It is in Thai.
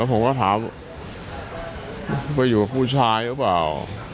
ผมก็ถามว่าอยู่กับผู้ชายหรือเปล่า